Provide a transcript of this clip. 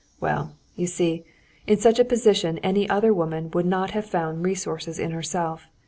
Well, you see, in such a position any other woman would not have found resources in herself.